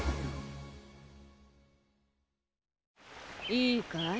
いいかい？